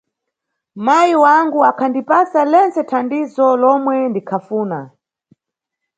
Mayi wangu akhandipasa lentse thandizo lomwe ndikhafuna